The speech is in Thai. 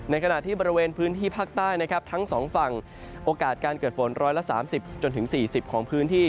ขณะที่บริเวณพื้นที่ภาคใต้นะครับทั้งสองฝั่งโอกาสการเกิดฝน๑๓๐จนถึง๔๐ของพื้นที่